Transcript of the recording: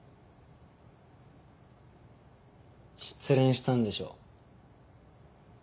失恋したんでしょ。